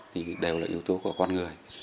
thì đều là yếu tố của con người